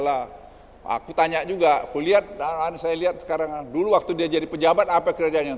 aku tanya juga dulu waktu dia jadi pejabat apa kejadiannya